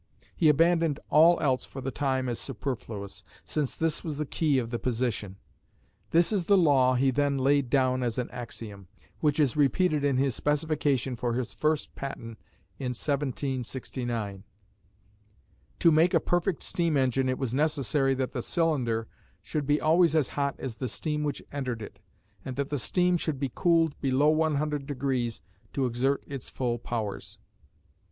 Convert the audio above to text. He abandoned all else for the time as superfluous, since this was the key of the position. This is the law he then laid down as an axiom which is repeated in his specification for his first patent in 1769: "To make a perfect steam engine it was necessary that the cylinder should be always as hot as the steam which entered it, and that the steam should be cooled below 100° to exert its full powers."